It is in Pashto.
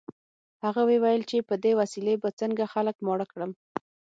هغه ویې ویل چې په دې وسیلې به څنګه خلک ماړه کړم